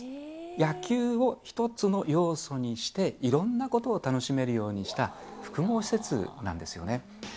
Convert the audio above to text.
野球を一つの要素にして、いろんなことを楽しめるようにした、複合施設なんですよね。